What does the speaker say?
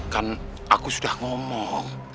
kan aku sudah ngomong